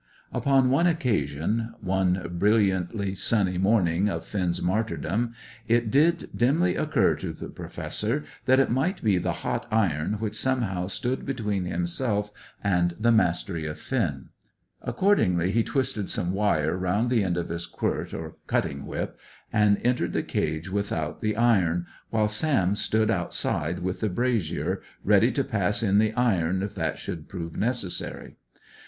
Upon one occasion one brilliantly sunny morning of Finn's martyrdom it did dimly occur to the Professor that it might be the hot iron which somehow stood between himself and the mastery of Finn. Accordingly, he twisted some wire round the end of his quilt, or cutting whip, and entered the cage without the iron, while Sam stood outside with the brazier, ready to pass in the iron if that should prove necessary.